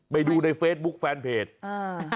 ไปดูในเฟซบุ๊คแฟนเพจอ่า